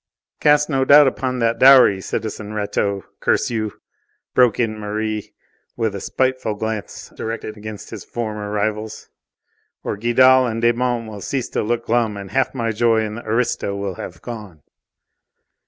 "Cast no doubt upon that dowry, citizen Rateau, curse you!" broke in Merri, with a spiteful glance directed against his former rivals, "or Guidal and Desmonts will cease to look glum, and half my joy in the aristo will have gone."